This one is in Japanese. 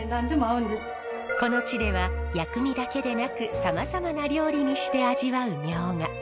この地では薬味だけでなくさまざまな料理にして味わうミョウガ。